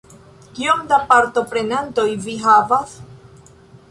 Kiom da partoprenantoj vi havas?